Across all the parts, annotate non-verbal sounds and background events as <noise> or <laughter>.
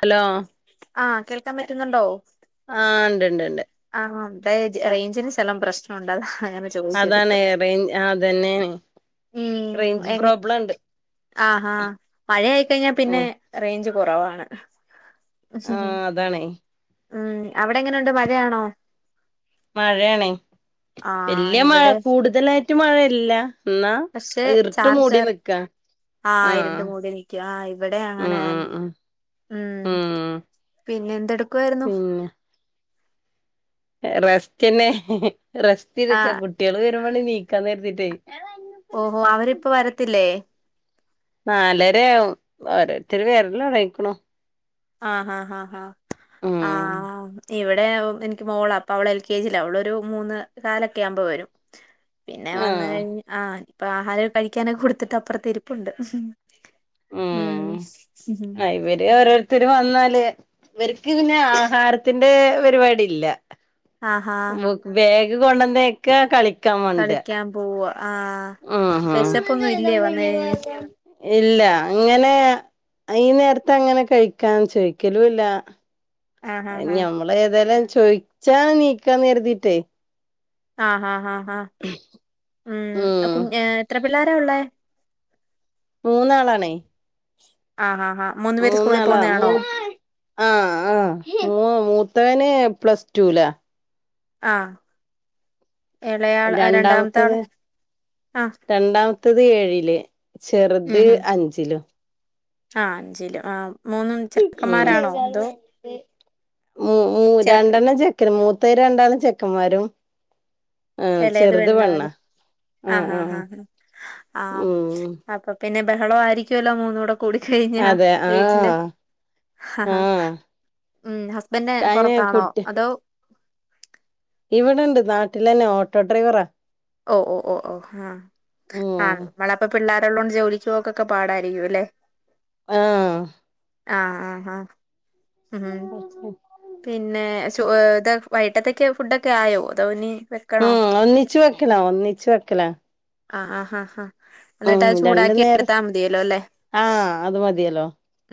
Hello? ആ കേൾക്കാൻ പറ്റുന്നുണ്ടോ? ആ ഇണ്ട് ണ്ട് ണ്ട്. ആ വ്ടെ റേഞ്ചിന് ചെല പ്രശ്നം ഉണ്ട് അതാ. അങ്ങനെ ചോദിച്ചെടുത്ത് അതാണ് റെ അതെന്നെന്. ഉം എങ്ങ അ ആ മഴയായി കഴിഞ്ഞ ഉം പിന്നെ റേഞ്ച് കുറവാണ്. ആഹ് അതാണേ. ഉം അവിടെ എങ്ങനെ ഉണ്ട് മഴയാണോ? മഴയാണേ ആഹ് വല്യ മഴ ഇവിടെ കൂടുതലായിട്ട് മഴയില്ല. എന്നാ ഇരുട്ട് മൂടി നിൽക്ക. ആ ഇരുട്ട് മൂടി നിൽക്ക ആഹ് ഇവിടേം അങ്ങനെ ഉം ഉം ഉം ഉം. ഉം പിന്നെ എന്തെടുക്കുവായിരുന്നു? പിന്നെ റെസ്റ്റന്നെ റെസ്റ്റ് എടുക്ക. ആഹ് കുട്ടികള് വരുമ്പോനീക്കാന്ന് കര്‌ തീട്ടേ. ഓഹോ അവരിപ്പൊ വരത്തില്ലേ? നാലര ആവും ഓരോരുത്തരും വരുന്ന് തുടങ്ങിയേക്കണു. ആഹ് ആഹ് ആഹ് ആഹ് ആ... ഉം ഇവിടെ എനിക്ക് മോളാ, അപ്പോ അവൾ എൽകെജിയിലാ. അവളൊരു മൂന്നുകാലൊക്കെ ആകുമ്പോ വ.. വരും. പിന്നെ ആ വന്നുകഴിഞ്ഞു, ആ... ഇപ്പൊ ആഹാരം കഴിക്കാനൊക്കെ കൊടുത്തിട്ട് അപ്പുറത്ത് ഇരിപ്പുണ്ട്. ഉം ഉം ആ ഇവര് ഓരോരുത്തര് വന്നാല് ഇവര്ക്ക് പിന്നെ ആഹാരത്തിന്റെ പരിപാടി ഇല്ല. ആഹാ ബാഗ് കൊണ്ടന്ന് വക്ക. കളിക്കാൻ മോണ്ട. കളിക്കാൻ പോവാ ആഹ് വെശപ്പൊന്നും ഇല്ലെ വന്ന് കഴിഞ്ഞ. ആഹ് ഇല്ല അങ്ങനെ ഈ നേരത്തെ അങ്ങനെ കഴിക്കാൻ ചോദിക്കലും ഇല്ല. ആഹ് ആഹ് ഞമ്മള് ഏതായാലും ചോദിച്ചാ നീക്കാന്ന് കരുതിയിട്ടെ ആഹ് ഹാ ഹ ഉം കു എത്ര പിള്ളാര ഉള്ളെ. മൂന്നാളാണെ. ആഹ് ആഹ് ആഹ് മൂന്നു പേര് സ്കൂളിൽ മൂന്നളാ പോകുന്നയാണോ മൂന്ന് ആഹ, ആഹ മൂന്ന്. മൂത്തവൻ പ്ലസ്ടു ലാ. ആഹ! രണ്ടാമത്തത് രണ്ടാമത്തെ, ആഹ് രണ്ടാമത്തെഏഴില്, ചെറുത് അഞ്ചിലും. ആ അഞ്ചില, ആ മൂന്നും ചെക്കന്മാരാണോ? മ് മ് രണ്ടെണ്ണം ചെക്കന്, മൂത്തത് രണ്ട് ചെക്കന്മാരും. ആഹ, ചെറുത് പെണ്ണാ. ആഹ.. ആ.. ആാാ.. ആഹ.. ഉം അപ്പൊ- പിന്നെ ബഹളം ആയിരിക്കുവല്ലോ മൂന്നൂടെ. കൂടിച്ച് കഴിഞ്ഞാൽ അതെ ആ വീട്ടില്. ആ ഉ.. ഹസ്ബൻഡ് അയിന് പുറത്താണോ? കുട്ടി അതോ, ഇവിടെണ്ട് നാട്ടിൽ തന്നെ, ഓട്ടോ ഡ്രൈവറാ. ഓ.. ഓ.. ഹാ.. ഉം ഇവടാടിപ്പം പിള്ളേരുടെ, പിള്ളേരുള്ളതുകൊണ്ട് ജോലിക്ക്- പോക്കൊക്കെ പാടായിരിക്കും അല്ലേ. ആഹ! ആഹ.. ആ്.. ആ.. ഉം, പിന്നെ.. ! വൈകീട്ടത്തേക്ക് ഫുഡ് ഒക്കെ ആയോ, അതോ ഇനി വെക്കണോ? എല്ലാഒന്നിച്ച് വെക്കലാ. ആഹ്.. ആ.. ആാ.. ഹാ.. എന്നിട്ട് ഉം അത് രണ്ടു ചൂടാക്കി നേരം എടുത്താ മതിയല്ലോ അല്ലേ. ആ അത് മതിയല്ലോ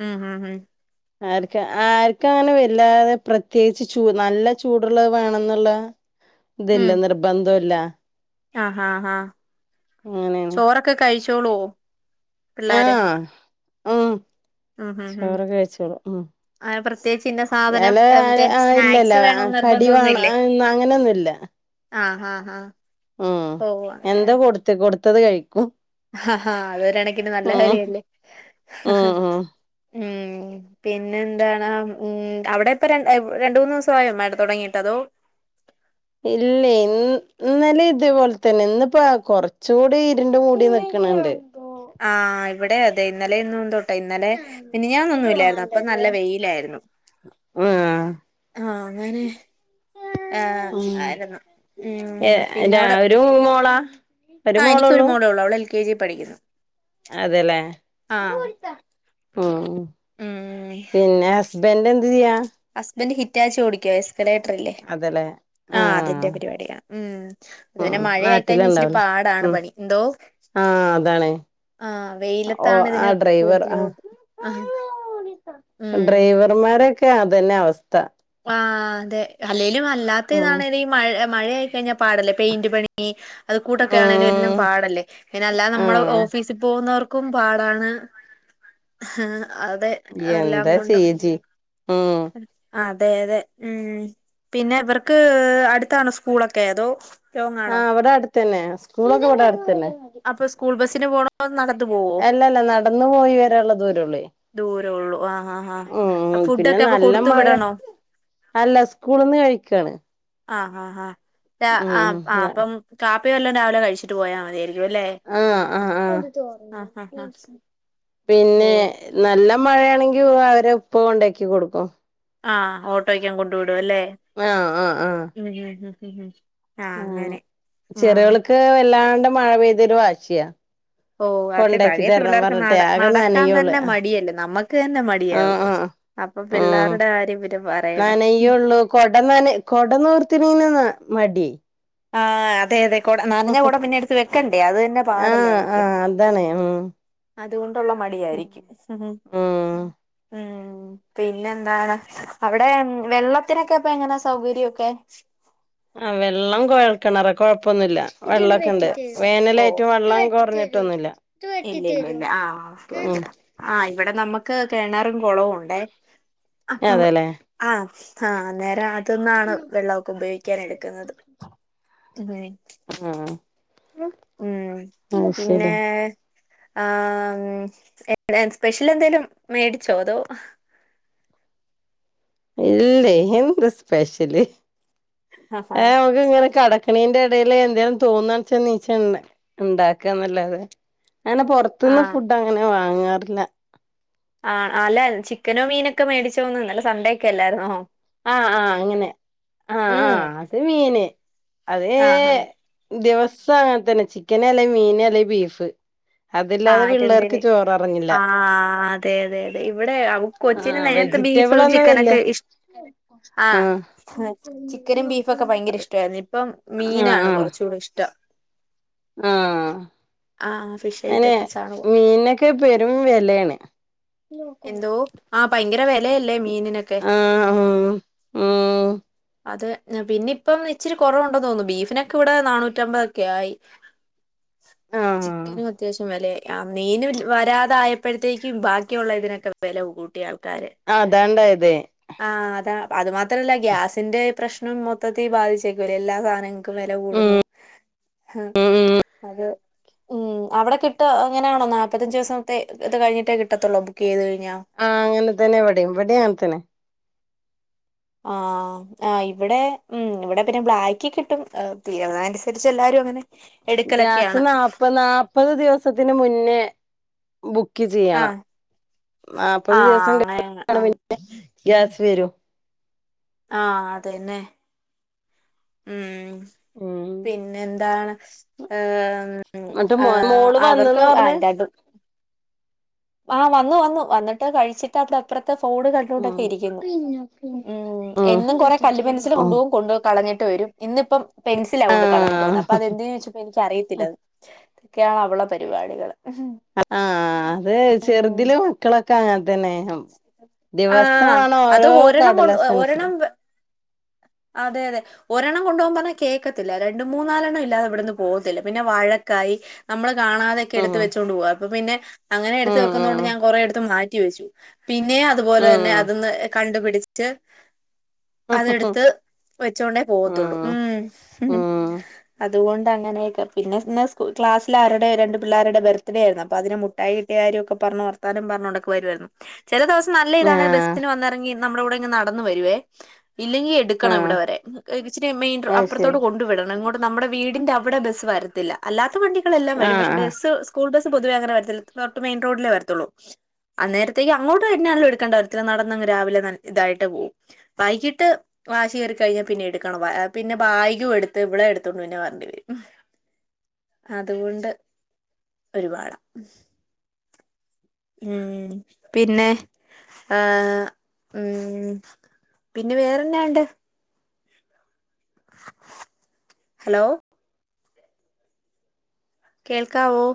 ആഹ.. ആഹ.. ആഹ.. ! ആർക്ക് ആർക്കും അങ്ങനെ വല്ലാതെ പ്രത്യേകിച്ചും, ചു നല്ല- ചൂടുള്ള വേണമെന്നുള്ള. ഇല്ല, നിർബന്ധല്ല. ആഹാ.. ആഹാ.. അങ്ങനെയാണ് ചോറൊക്കെ കഴിച്ചോളോ? പിള്ളാര്.. ! ആ.. ചോറ് കഴിച്ചോളും ഉം. ആഹ് പ്രത്യേകിച്ച് ഇന്ന ആ.. സാധനം മറ്റേ ആഹാ.. ആഹാ.. സ്നാക്സ് ഇല്ലലാ, വേണോന്ന് നിർബന്ധമൊന്നുമില്ലേ കടിവെണനൊന്നുലാ. ആഹ്... ആഹ്.. ആഹ.. ! ഉംഎന്താ കൊടുത്ത്, കൊടുത്തത് കഴിക്കും! ആ.. ഹ.. അത്ഓരെണക്കിന് നല്ല ഉം കാര്യല്ലേ, ആഹാ.. ഉം ഉം ഉം. പിന്നെ എന്താണ് ഉം, അവിടെ ഇപ്പോ രണ്ടുമുന്നാസയോ മാേഡം തുടങ്ങിട്ട് അതോ? <inaudible> ഇല്ലേ, ഇ ഇന്നലെ ഇതേപോലെ- തന്നെ ഇന്നിപ്പ കുറച്ച് കൂടി ഇരുണ്ട് മൂടി നിക്ക. ക്കണണ്ട്! ആഹ് ഇവിടെ അതെ ഇന്നലെന്നുംതോട്ടെ, ഇന്നലെ- മിന്നഞ്ഞന്നൊന്നുംല്ലായിരുന്നു, അപ്പോ നല്ല വെയിലായിരുന്നു. ആഹ് ആഹ.. അങ്ങനെ! ആ.. ആര് ഉം ആയിരുന്നു ഏ ഉം രാ പിന്നവിടെ. ഒരു മോളാ ഒരു ആ... നിക്കൊരു മോളാ ഉള്ളു അവള് എൽ. കെ. ജി പഠിക്കുന്നു. അതേല്ലേ.. ആഹ് ഉം ഉം പിന്നെ, ഹസ്ബന്റ് എന്ത് ചെയ്യാ? ഹസ്ബന്റ് ഹിറ്റാച്ചി ഓടികാ! ആ അതേയ്ത്രെ, അതെല്ലേ ആഹ് അതിന്റെ പരിപാടിയ ഉം, ഉം അതുന്നെ മഴ- ആയിക്കഴിഞ്ഞൽ ഇചിരിപാടാ. പാടാണ് പണി, എന്തോ..? ആഹ.. അതാണ്. ആഹ.. ഓ വെയിലത്താണ് ആ ഇതിന് ഡ്രൈവർ ആ കൂടുതലോട്ടം ആഹ.. ! ഡ്രൈവർമാരൊക്കെ അതന്നെ അവസ്ഥ. ആഹ.. അതെ, അല്ലേലും അല്ലാത്ത- ഉം ഇതാണെഈ മഴ, മഴ ആയിക്കഴിഞ്ഞാൽ പാടല്ലേ പെയിന്റ് പണി. അത് കൂട്ടൊക്കെ ആണെങ്കുംല്ലും ഉം പാടല്ലേ, പിന്നെ അല്ലതെ നമ്മള് ആഹ് ഓഫീസിൽ പോകുന്നവർക്ക്. ക്കും പാടാണ് ഉം.. ! അതെ എല്ലാം എന്താ കൊണ്ടും. ചെയ്യ ജി ഉം അതെ.. അതെ.. ഉം.. പിന്നെ ഇവർക്ക് അടുത്താണോ സ്കൂളൊക്കെ? അതോ. ആ ലോങ്ങാണോ വടാട്തന്നെ സ്കൂളൊകെ വടാട്തന്നെ. അപ്പൊ സ്കൂൾ ബസ്സിന് പോണോ നട അല്ലല്ല നടന്നു പോയി വരാംള്ളദൂരള്ളൂ യ് ചുള്ളൂ ആ <unintelligible> ആഹ് ആഹ അ ഫുഡ് ഒക്കെ അപ്പൊ നല്ല കൊടുത്തു മഴ വിടണോ? അല്ല സ്കൂള്ന്ന് കഴിക്കാണ് ആഹ് ആാ ആാ ഡാ ആ ഉം ആ അപ്പം കാപ്പിവല്ലോം രാവിലെ കഴിച്ചിട്ട് പോയാൽ മതിയായിരിക്കും. അല്ലേ ആ ആഹ് ആ ആഹ് ആഹ് ആഹ് പിന്നെ ഓഹ് നല്ല മഴണെങ്കി അവരെ ഉപ്പ കൊണ്ടാക്കി കൊടുക്കും. ആഹ ഓട്ടോയ്ക്കൻ കൊണ്ടു വിടും അല്ലെ. ആഹ് മും മം മ്യും മ് മും അങനെ ചെറിയോൾക്ക് വല്ലാണ്ട മഴ പെയ്തൊരു വാശിയാ ഓ അതെ കൊണ്ടാക്കി പഴയത്തെ തരണം പിള്ളേർക്ക് പറഞ്ഞിട്ടെ നട ആകെ നടക്കാൻ നനയോള് തന്നെ മടിയല്ലേ നമ്മക്ക് ക്ക് എന്നെ മടിയാവും അപ്പൊ മ് പിള്ളേരുടെ കാര്യം പിന്നെ പറയണോ നനയ്യയൂള്ളൂ കൊടന്നന കൊടനീർത്തിനീന്ന് മടി. ആഹ അതെ അതെ കൊട നനഞ്ഞ കൊട പിന്നെ എടുത്ത് വെക്കണ്ടേ അത് തന്നെ പാടല്ലേ ആഹ് അവർക്ക് ആഹ് അതാണ് ഉം അതുകൊണ്ടുള്ള മടിയായിരിക്കും ഉം ഹ് ഉം മ്ം. പിന്നെ എന്താണ് അവിടെ വെള്ളത്തിനൊക്കെപ്പൊ എങ്ങനെ സൗകര്യൊക്കെ ആ വെള്ളം കൊഴൽക്കണറ കൊഴപ്പൊന്നുല്ല വെള്ളക്കെണ്ട് ഇല്ല ഓ വേനലെറ്റവും വെള്ളം കുറഞ്ഞിട്ടൊന്നുമല്ല ഇല്ല ഇല്ല ഇല്ല ആഹ ചോയിചത ആ ഇവിടെ നമ്മുക്ക് ക്ക് കെണറും കുളവും ഉണ്ടേ അപ്പൊ അതെല്ലേ ആ ആ അന്നെരം അ ത്‌ന്നാണ് വെള്ളഒക്കെ ഉപയോഗിക്കൻ എടുക്കുന്നത് അങനെ ആഹ് ഉം അത് പിന്നെ ശരി ഏഏഏഏ ആ മും എ എ സ്പെഷ്യൽ എന്തെലും മേടിച്ചോ അതോ ഇല്ലേയ് എന്ത് സ്പെഷ്യല് ആ ആഹ് നമക്ക് ങ്ങനെ കടക് കണീന്റെ ഇടയില് എന്തേലും തോന്നാണ്ച്ചാൽ നീച്ച് ഇണ്ടാക്കാ ന്നല്ലാതെ അനെ പൊർത്ത്ന്ന് ആഹ് ഫുഡ് അങ്ങനെ വാങ്ങാറില്ല ആ അല്ലൻ ചിക്കനും മീനൊക്കെ മേടിച്ചോന്നു ന്നലെസൺഡേക്കെ ല്ലാർന്നോ ആ ആ അങ്ങനെ ആഹ ഉം ആഹ അത് മീന് അതേ ഏ ആഹ് ആഹ് ദിവസം അങ്ങനെത്തന്നെ ചിക്കന് അല്ലെ മീൻ അല്ലെ ബീഫ് ആ അതില്ലാതെ പിള്ളേർക്ക് ഇതന്ദ്ന് ചോറെറങ്ങില്ല ആ അതെതെ അതെ ഇവിടെ അവുകൊച്ചിന് ആഹ് നേ എൻക്ക് ബീഫും വെജിറ്റബിളൊന്നും വല്യ ചിക്കനൊക്കെ ഇഷ് ആ ആഹ് ഹ ചിക്കനും ബീഫും ഒക്കെ ഭയങ്കര ഇഷ്ട്ടായിരുന്നു ഇപ്പൊ മീനാണ് കുറച്ചൂടെ ഇഷ്ടം ആഹ ആ ആഹ് ഫിഷ് അയിനെ ഐറ്റംസ് ആണ് മീൻനൊക്കെ പെരും വെലാണ്. എന്തോ ആ ആഹ് ഭയങ്കര വിലയല്ലേ ഹ് മീനിനൊക്കെ ഉ ഉംമമ് അതെ പിന്നെ ഇപ്പം ഇച്ചിരി കുറവുണ്ടോന്ന് തോന്നുന്നു. ബീഫിനൊക്കെ ഇവിടെ ന്നാ ന്നൂറ്റമ്പതൊക്കെ ആയി ആഹ് ചിക്കനും അത്യാവശ്യം വെലായി യാ മീന് വരാതായപ്പൾത്തേക്കും ബാക്കിയുള്ളതിനൊക്കെ വെല കൂട്ടി ട്ടി ആള്ക്കാര് അതാണ്ടായതേ ആാാ അതാ അതുമാത്രല്ല ഗ്യാസ് ന്റെ പ്രശ്നം മൊത്തത്തിൽ ബാധിച്ചേക്കൂവ എല്ലാസാധനങ്ങ ക്കും വില കൂടുന്നു ഹ് അത് ഉം അവടെ കിട്ടാ അങ്ങനാണോ നാല്പ്പത്തഞ്ചച് ദിവസത്തെ ത് കഴിഞ്ഞിട്ടേ കിട്ടത്തുള്ളൂ ബുക്ക് ചെയ്ത് കഴി ആഹ അങ്ങനെ തന്നെവിടിം ഇവിടി അൻത്തന്നെ ആ ആ് ഇവിടെ ഉം ഇവിടെ പിന്നെ ബ്ലാക്കികിട്ടും ഹ തീര അനുസരിച്ച് എല്ലാരും അങ്ങനെ ഗ്യാസ് എടുക്കലൊക്കെയാണ് നാപ്പനാല്പ്പത് ദിവസത്തിന് മുന്നേ ബുക്ക് ചെയ്യണം. ആഹ് നാല്പ്പത് ആഹ് ദിവസം അങ്ങനെ കഴെ ആഹ് <unintelligible> ഗ്യാസ്‌ വരും ആ അതെന്നെ ഉം ഉം പിന്നെന്താണ് ആഹ മമ് ഉം ന്നട്ട് മോ ആഹ മോള് വന്ന്ന്നാ അവർക്ക് പറഞ്ഞേ വായ് <unintelligible> ആഹ് വന്നു വന്നു വന്നിട്ട് കഴിച്ചിട്ട് അത് ത്ര ഫോണ് ഉം കണ്ടോണ്ടൊക്കെ ഇരിക്കുന്നു ഉ ഉം എന്നും കൊറെ കല്ലുപെൻസിൽ കൊണ്ടു ഉം പോകും കൊണ്ടയ് കളഞ്ഞ് ട്ട് ട്ട് വരും ഇന്ന് ഇപ്പം പെൻസി ആകൊണ്ട് കളഞ്ഞിട്ട് ആഹ് വന്ന അപ്പൊ അതെന്തെന്ന് ചോദിച്ചപ്പോ എനിക്ക് അറിയത്തില്ലന്ന് <unintelligible> അവളെ പരിപാടികൾ ആ ആ ത് ചെറുതിൽ മക്കളൊക്കെ അങ്ങനെ തന്നെനു ആഹ് ദിവസമാണ് അത് ഓരോ ഒരെണ്ണം കൊണ്ട് കടലസ്‌ ഒരെണ്ണം വേ അതെ അതെ ഒരെണ്ണം കൊണ്ടു പോകുപോവാൻ പറഞ്ഞ കേക്കത്തില്ല രണ്ട മൂന്നാലെണ്ണംല്ലാതെ ഇവിന്ന് പോവാതില്ല പിന്നെ വഴക്കാ നമ്മള് കാണാതെക്കെ ഉം എടുത്ത് വെച്ചുകൊണ്ട് പോവാ അപ്പ പിന്നെ അങ്ങനെ ഉം എടുത്ത് വെക്കുന്നതുകൊണ്ട് ഉം ഞാൻ കൊറെ അടുത്ത് മാറ്റി വെച്ചു പിന്നെ അതുപോലെ തന്നെ ഉം അതൊന്ന് കണ്ടുപിടിച്ച് ഉം അതെടുത്ത് വെച്ചുകൊണ്ടേ പോവത്തുള്ളൂ ഉം മ് മ് ഉം അതുകൊണ്ട് അങ്ങനെയൊക്കെ പിന്നെന്ന് സ് ക്ലാസിലാരുടെ രണ്ട് പിള്ളേരുടെ ബർത്ത് ഡേ ആയിരുന്നു അപ്പോ അതിന് മുട്ടായി കിട്ടിയ കാര്യ പറഞ്ഞ് വർത്താനം പറഞൊണ്ടൊക്കെ വരുയി രുന്നു ചില ദിവസം നല്ല ഇതാണ് ആഹ് ബസിന് വന്നിറങ്ങി നമ്മുളെ കൂടെ ഇങ്ങു നടന്ന് വരുവേ ഇല്ലെങ്കി എടുക്കണം ആഹ് ഇവിടെ വരെ ഇച്ചിരി മെയിൻ അത് ശരി അപ്പുറത്തോട് കൊണ്ടു വിടണം ഇങ്ങോട്ട് നമ്മുടെ വീടിന്റെ ഇവിടെ ബസ് വരത്തില്ല അല്ലാത്ത വണ്ടികളെല്ലാം വരും ആഹ് പക്ഷെ ആഹ് ബസ് സ്കൂൾ ബസ് പൊതുവേ അങ്ങനെ വരത്തില്ല റോഡിലേ വരത്തുള്ളൂ അന്നേരത്തേക്ക് അങ്ങോട്ട് വരുന്നാള് എടുക്കണ്ട <unintelligible> നടന്നങ്ങ് രാവിലെ ഇതായിട്ട് പോകവും വൈകിട്ട് വാശി കയറി കഴിഞ്ഞാൽ പിന്നെ എടുക്കണം പിന്നെ ബാഗും എടുത്ത് ഇവളെ എടുത്തോണ്ടുന്നെ വരണം അതും കൊണ്ട് ഒരുപാട ഉം പിന്നെ ആ ഉം പിന്നെ വേറെന്നാ ണ്ട് ഹലോ കേൾക്കാവോ